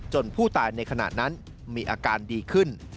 ผู้ตายในขณะนั้นมีอาการดีขึ้น